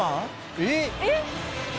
えっ！？